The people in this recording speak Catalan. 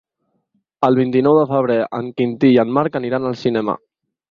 El vint-i-nou de febrer en Quintí i en Marc aniran al cinema.